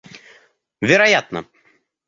Вероятно!